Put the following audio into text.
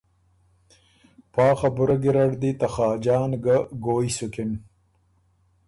پا خبُره ګیرډ دی ته خاجان ګه ګویٛ سُکِن